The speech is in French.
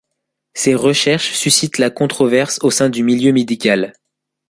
Ses recherches suscitent la controverse au sein du milieu médical.